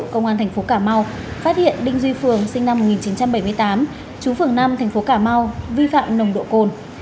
công an tp cà mau phát hiện đinh duy phường sinh năm một nghìn chín trăm bảy mươi tám chú phường năm tp cà mau vi phạm nồng độ cồn